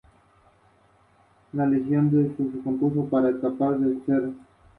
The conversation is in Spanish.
Este álbum es parte de los archivos personales del baterista Carl Palmer.